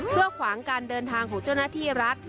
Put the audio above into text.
เพื่อขวางการเดินทางของเจ้าหน้าที่รัฐ